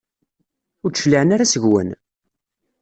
Ur d-cliɛen ara seg-wen?